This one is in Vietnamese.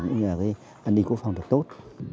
cũng như là cái an ninh quốc phòng được tốt